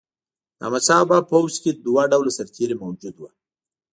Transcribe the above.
د احمدشاه بابا په پوځ کې دوه ډوله سرتیري موجود وو.